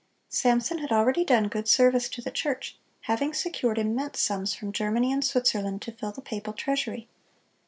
Samson had already done good service to the church, having secured immense sums from Germany and Switzerland to fill the papal treasury.